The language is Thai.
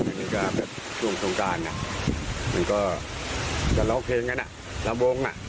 วิบวับวิบวับเห็บหุบวิบวับวิบวับ